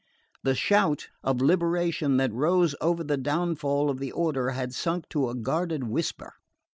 The shout of liberation that rose over the downfall of the order had sunk to a guarded whisper.